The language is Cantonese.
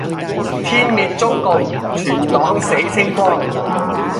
天滅中共，全黨死清光